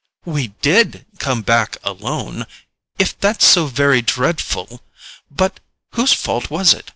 "We DID come back alone—if that's so very dreadful! But whose fault was it?